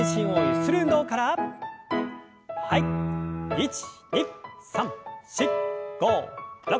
１２３４５６。